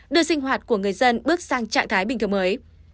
đưa sinh hoạt của người dân bước sang trạng thái bình thường mới